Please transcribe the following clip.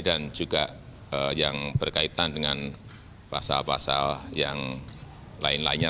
dan juga yang berkaitan dengan pasal pasal yang lain lainnya